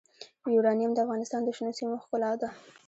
یورانیم د افغانستان د شنو سیمو ښکلا ده.